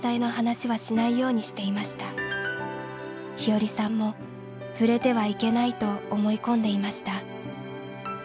日和さんも触れてはいけないと思い込んでいました。